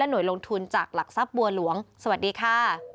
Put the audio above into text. หน่วยลงทุนจากหลักทรัพย์บัวหลวงสวัสดีค่ะ